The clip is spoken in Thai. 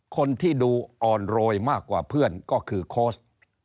คนที่ดูอ่อนโรยมากกว่าเพื่อนก็คือโค้ช